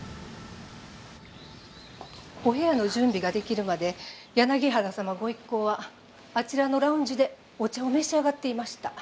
お部屋の準備が出来るまで柳原様ご一行はあちらのラウンジでお茶を召し上がっていました。